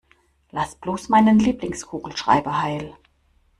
Lass bloß meinen Lieblingskugelschreiber heil!